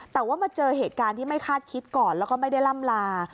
แต่ว่ามาเจอเหตุการณ์ที่ไม่คาดคิดก่อนแล้วก็ไม่ได้ล่ำลา